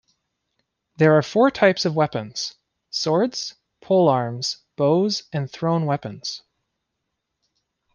There are four types of weapons: swords, polearms, bows, and thrown weapons.